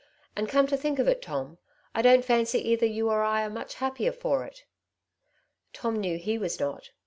And, come to think of it, Tom, I don^t fancy either you or I are much the happier for it/' Tom knew he was not.